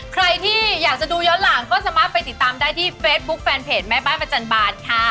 ใครที่อยากจะดูย้อนหลังก็สามารถไปติดตามได้ที่เฟซบุ๊คแฟนเพจแม่บ้านประจันบาลค่ะ